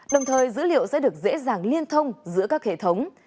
đồng thời dữ liệu sẽ được dễ dàng liên thông giữa các hệ thống